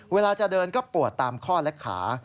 เวลาจะเดินก็ปวดตามข้อและขา